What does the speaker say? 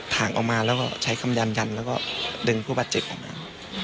ถ่างออกมาแล้วก็ใช้คำยันยันแล้วก็ดึงผู้บาดเจ็บออกมา